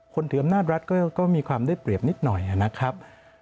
ถืออำนาจรัฐก็มีความได้เปรียบนิดหน่อยนะครับ